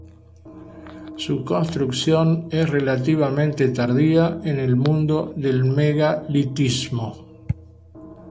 Su construcción es relativamente tardía en el mundo del megalitismo.